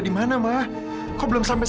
denangiala dia gelenek